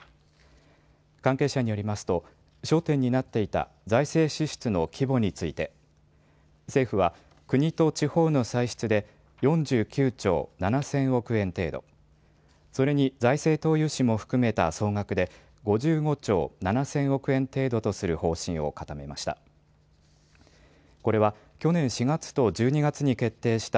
関係者によりますと焦点になっていた財政支出の規模について政府は国と地方の歳出で４９兆７０００億円程度、それに財政投融資も含めた総額で５５兆７０００億円程度とする方針を固めました。